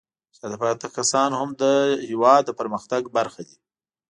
شاته پاتې کسان هم د هېواد د پرمختګ برخه دي.